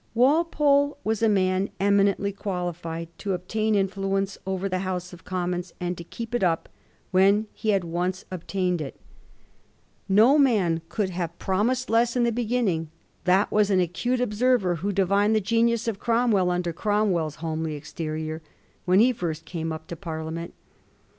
Walpole was a man eminently qualified to obtain influence over the House of Commons, and to keep it up when he had once obtained it. No man could Digiti zed by Google 1714 WALPOLE AND BOUNQBROKE. 43 have promised less in the beginning. That was an acute observer who divined the genius of Cromwell under Cromwell's homely exterior when he first came up to Parliament.